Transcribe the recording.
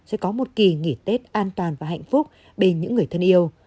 chúc quý vị và các bạn có một kỳ nghỉ tết an toàn và hạnh phúc bên những người thân yêu